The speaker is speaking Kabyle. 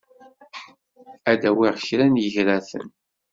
Ad d-awiɣ kra n yigraten.